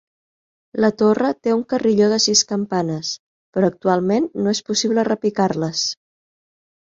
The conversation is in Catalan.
La torre té un carilló de sis campanes, però actualment no es possible repicar-les.